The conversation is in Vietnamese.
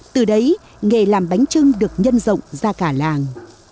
từ đấy nghề làm bánh trưng được nhân rộng ra cả làng